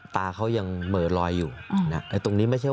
สามารถรู้ได้เลยเหรอคะ